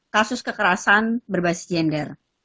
kasus kekerasan berbasis gender